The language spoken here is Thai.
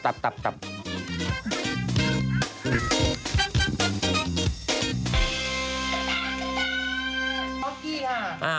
คอคิค่ะ